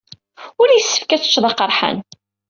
Ur yessefk ad tecceḍ aqerḥan.